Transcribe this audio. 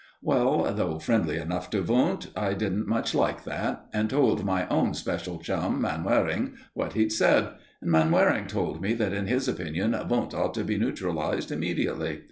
Well, though friendly enough to Wundt, I didn't much like that, and told my own special chum, Manwaring, what he'd said; and Manwaring told me that in his opinion Wundt ought to be neutralised immediately.